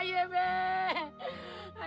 ayah belum sembang